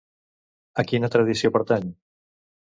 A quina tradició pertany?